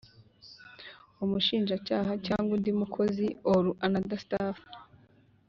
umushinjacyaha cyangwa undi mukozi or another staff